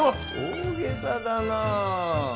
大げさだなあ。